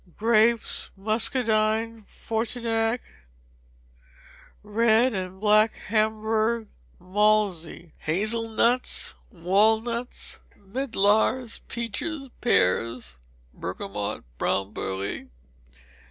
Grapes: Muscadine, Frontignac, red and black Hamburgh, Malmsey. Hazel nuts, walnuts, medlars, peaches. Pears: Bergamot, brown beurré.